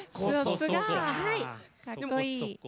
かっこいい。